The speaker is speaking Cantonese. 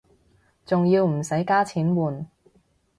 仲要唔使加錢換